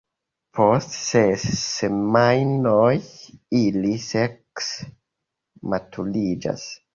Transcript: Post ses semajnoj ili sekse maturiĝas.